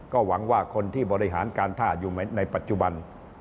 ก็หวังว่าคนที่บริหารการท่าอยู่ในปัจจุบัน